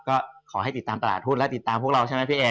ก็ขอให้ติดตามตลาดหุ้นและติดตามพวกเราใช่ไหมพี่เอ